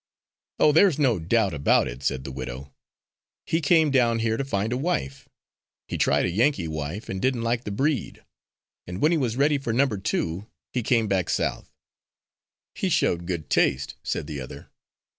"Oh, there's no doubt about it," said the widow. "He came down here to find a wife. He tried a Yankee wife, and didn't like the breed; and when he was ready for number two, he came back South." "He showed good taste," said the other.